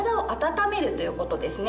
ということですね。